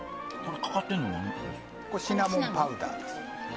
これはシナモンパウダーです。